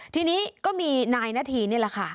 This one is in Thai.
ทีนี้ก็มีนายนาธีนี่แหละค่ะ